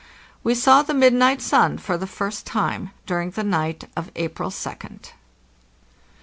We saw the midnight sun for the first time during the night of April 2d.